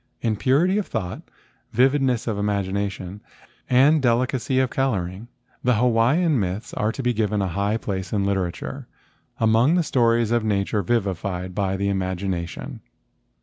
In purity of thought, vividness of imagina¬ tion, and delicacy of coloring the Hawaiian myths are to be given a high place in literature among the stories of nature vivified by the im¬ agination.